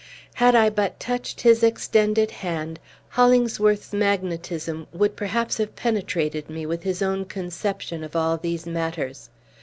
Had I but touched his extended hand, Hollingsworth's magnetism would perhaps have penetrated me with his own conception of all these matters.